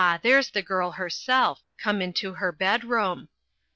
there's the girl herself come into her bedroom.